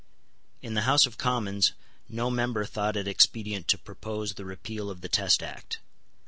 In the House of Commons, no member thought it expedient to propose the repeal of the Test Act.